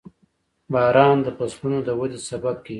• باران د فصلونو د ودې سبب کېږي.